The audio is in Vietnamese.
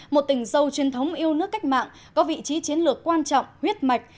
một tình dâu truyền thống yêu nước cách mạng có vị trí chiến lược quan trọng huyết mạch